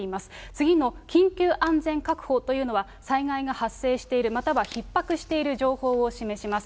次の緊急安全確保というのは、災害が発生している、またはひっ迫している情報を示します。